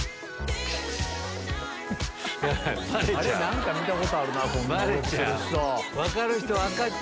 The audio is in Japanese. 何か見たことある。